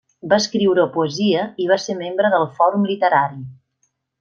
Va escriure poesia i va ser membre del Fòrum Literari.